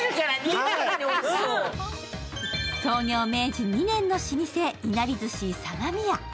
創業明治２年の老舗、いなり寿司相模屋。